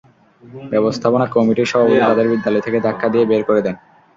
ব্যবস্থাপনা কমিটির সভাপতি তাদের বিদ্যালয় থেকে ধাক্কা দিয়ে বের করে দেন।